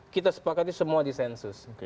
kita sepakatnya semua di sensus